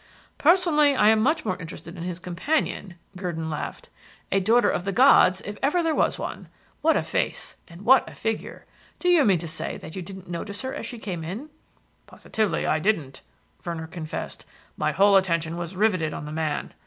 "Personally, I am much more interested in his companion," Gurdon laughed. "A daughter of the gods, if ever there was one. What a face, and what a figure! Do you mean to say that you didn't notice her as she came in?" "Positively I didn't," Venner confessed. "My whole attention was rivetted on the man.